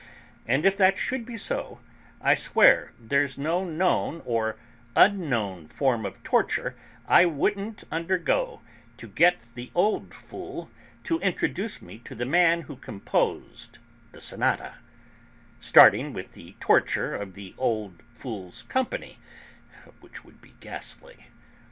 And if that should be so, I swear there's no known or unknown form of torture I wouldn't undergo to get the old fool to introduce me to the man who composed the sonata; starting with the torture of the old fool's company, which would be ghastly."